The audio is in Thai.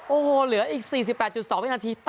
โอ้โหเหลืออีก๔๘๒วินาทีตีเสมอ